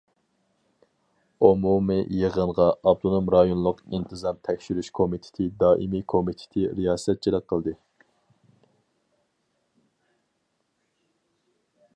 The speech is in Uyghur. ئومۇمىي يىغىنغا ئاپتونوم رايونلۇق ئىنتىزام تەكشۈرۈش كومىتېتى دائىمىي كومىتېتى رىياسەتچىلىك قىلدى.